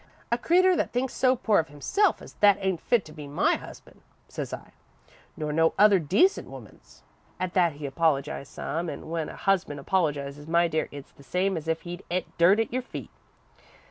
A creeter that thinks so poor of himself as that ain't fit to be my husband,' says I, 'nor no other decent woman's.' "At that he apologised some, an' when a husband apologises, my dear, it's the same as if he'd et dirt at your feet.